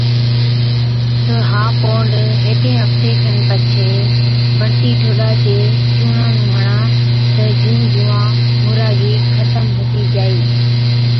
تہ ها پونڊر هيڪي هفتي کن پڇي بڙتِي ٺوڏا چي چُونڻان نُون هڻا، تہ جُون جُوئان مُراگِي ختم هُتِي جائِي۔